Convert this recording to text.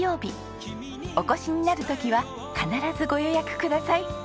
お越しになる時は必ずご予約ください。